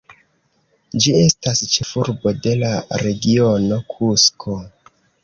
Ĝi estas ĉefurbo de la Regiono Kusko.